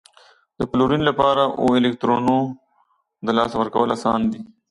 د فلورین لپاره اوو الکترونو د لاسه ورکول اسان دي؟